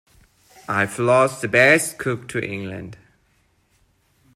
I've lost the best cook to England.